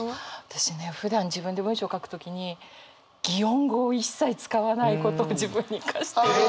私ねふだん自分で文章を書くときに擬音語を一切使わないことを自分に課してる。